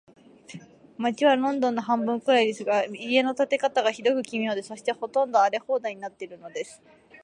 街はロンドンの半分くらいですが、家の建て方が、ひどく奇妙で、そして、ほとんど荒れ放題になっているのです。